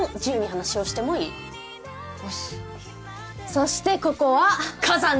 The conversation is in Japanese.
そしてここは火山の部屋！